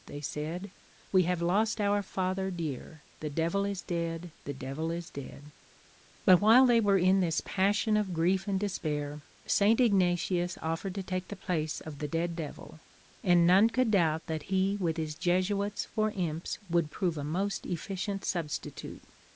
they said; We have lost our father dear, The Devil is dead! the Devil is dead!" But while they they were in this passion of grief and despair, St. Ignatius offered to take the place of the dead Devil; and none could doubt that he with his Jesuits for imps would prove a most efficient substitute.